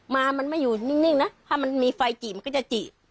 มามันไม่อยู่นิ่งนะถ้ามันมีไฟจีบมันก็จะจีบ